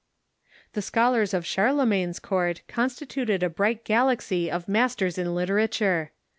The scholars of Charlemagne's court constituted a bright galaxy of masters in literature.